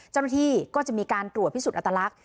แต่ที่ก็จะมีการตรวจพิสูจน์อตลักษณ์